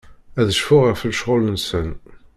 Ad cfuɣ ɣef lecɣal-nsen.